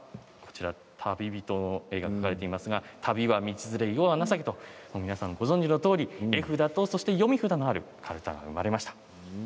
旅人の絵が描かれていますが旅は道連れ世は情けとご存じのように絵札と読み札のあるカルタが生まれました。